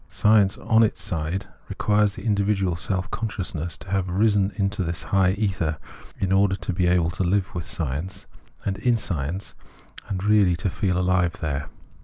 Science on its side requires the individual self conscious ness to have risen into this high ether, in order to be able to Hve with science, and in science, and really to feel ahve there.